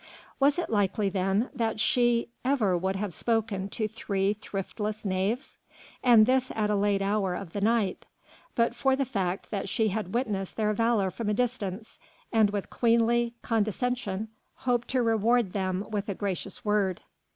Was it likely, then, that she ever would have spoken to three thriftless knaves? and this at a late hour of the night but for the fact that she had witnessed their valour from a distance, and with queenly condescension hoped to reward them with a gracious word.